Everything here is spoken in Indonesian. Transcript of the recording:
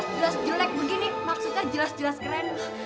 jelas jelek begini maksudnya jelas jelas keren